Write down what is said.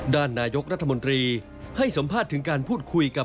ด้านนายกรัฐมนตรีให้สัมภาษณ์ถึงการพูดคุยกับ